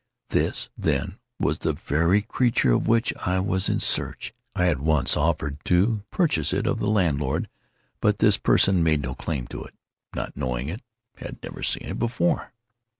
This, then, was the very creature of which I was in search. I at once offered to purchase it of the landlord; but this person made no claim to it—knew nothing of it—had never seen it before.